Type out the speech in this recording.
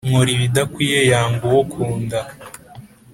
nkora ibidakwiye yanga uwokunda